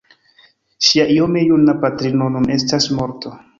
Ŝia iome juna patrino nun estas morta.